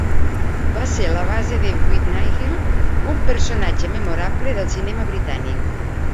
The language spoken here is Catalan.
Va ser la base de Withnail, un personatge memorable del cinema britànic.